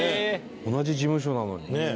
同じ事務所なのに。